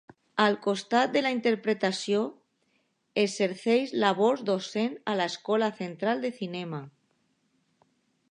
Al costat de la interpretació, exerceix labors docents a l'Escola Central de Cinema.